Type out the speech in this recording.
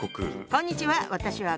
こんにちは。